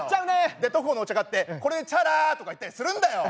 で特保のお茶買って「これでチャラ」とか言ったりするんだよ！